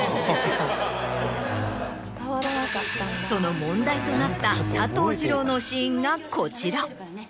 その問題となった佐藤二朗のシーンがこちら。